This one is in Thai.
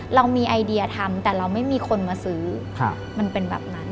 เรามีไอเดียทำแต่เราไม่มีคนมาซื้อมันเป็นแบบนั้น